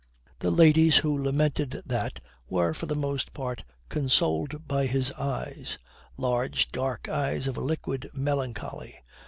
The ladies who lamented that were, for the most part, consoled by his eyes large, dark eyes of a liquid melancholy.